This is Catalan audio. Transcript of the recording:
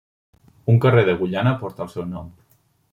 Un carrer d'Agullana porta el seu nom.